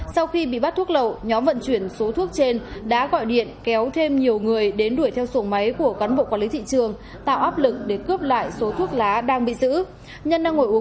sau khi bị bắt thuốc lậu nhóm vận chuyển số thuốc trên đã gọi điện kéo thêm nhiều người đến đuổi theo xuồng máy của cán bộ quản lý thị trường tạo áp lực để cướp lại số thuốc lá đang bị giữ